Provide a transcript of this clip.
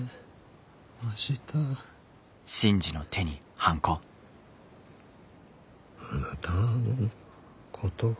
「あなたのことは」